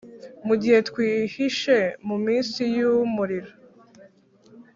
mugihe twihishe mu isi yumuriro